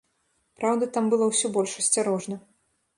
Праўда, там было ўсё больш асцярожна.